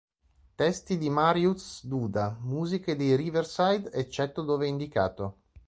Testi di Mariusz Duda, musiche dei Riverside, eccetto dove indicato.